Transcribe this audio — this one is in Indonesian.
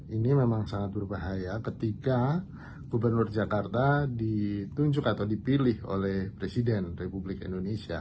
ini memang sangat berbahaya ketika gubernur jakarta ditunjuk atau dipilih oleh presiden republik indonesia